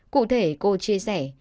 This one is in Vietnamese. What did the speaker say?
cụ thể cô chia sẻ